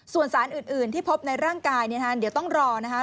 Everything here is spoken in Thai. ส่วนสารอื่นที่พบในร่างกายเดี๋ยวต้องรอนะคะ